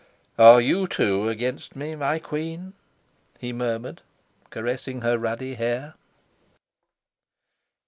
"Are you, too, against me, my queen?" he murmured caressing her ruddy hair.